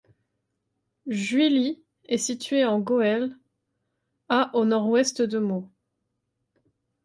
Juilly est situé en Goële à au nord-ouest de Meaux.